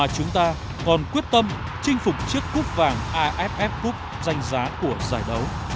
chúng ta còn quyết tâm chinh phục chiếc cúp vàng aff cup danh giá của giải đấu